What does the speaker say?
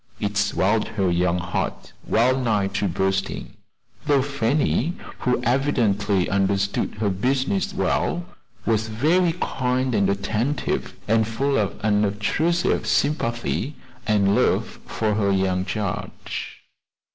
It swelled her young heart wellnigh to bursting, though Fanny, who evidently understood her business well, was very kind and attentive, and full of unobtrusive sympathy and love for her young charge.